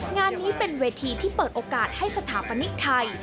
งานนี้เป็นเวทีที่เปิดโอกาสให้สถาปนิกไทย